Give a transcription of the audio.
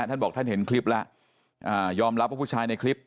ท่านบอกท่านเห็นคลิปแล้วยอมรับว่าผู้ชายในคลิป